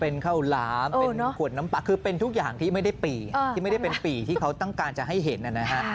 เออคุณขึ้นค่ะมันน่าจะอยู่ที่จินตนาการแล้วล่ะค่ะ